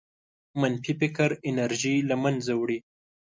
منفي فکر انرژي له منځه وړي.